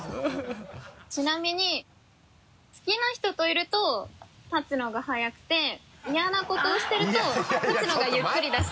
ちなみに好きな人といるとたつのが早くて嫌なことをしてるとたつのがゆっくりだそうです。